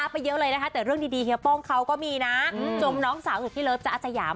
เพียงป้องเขาก็มีนะจมน้องสาวสุดที่เลิฟจะอาจอยาม